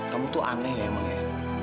kamu tuh aneh ya emang ya